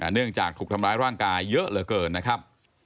เนื่องจากถูกทำร้ายร่างกายเยอะเหลือเกินนะครับ